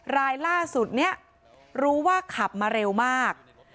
รายล่าสุดนี้รู้ว่าขับมาเร็วมาก